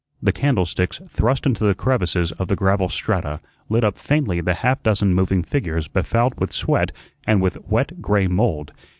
The candlesticks thrust into the crevices of the gravel strata lit up faintly the half dozen moving figures befouled with sweat and with wet gray mould.